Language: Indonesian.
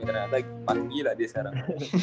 ternyata masih gila dia sekarang